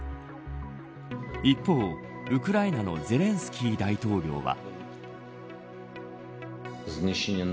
一方、ウクライナのゼレンスキー大統領は。